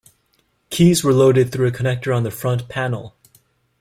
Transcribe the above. Keys were loaded through a connector on the front panel.